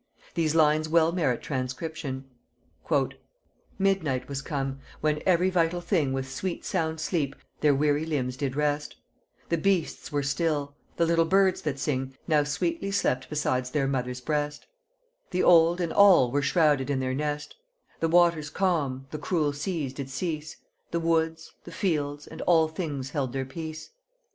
The lines well merit transcription. "Midnight was come, when ev'ry vital thing With sweet sound sleep their weary limbs did rest; The beasts were still, the little birds that sing Now sweetly slept besides their mother's breast, The old and all were shrowded in their nest; The waters calm, the cruel seas did cease; The woods, the fields, and all things held their peace.